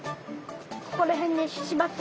ここらへんでしばって。